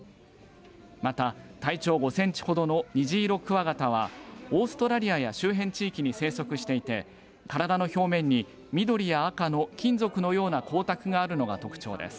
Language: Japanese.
また体長５センチほどのニジイロクワガタはオーストラリアや周辺地域に生息していて体の表面に緑や赤の金属のような光沢があるのが特徴です。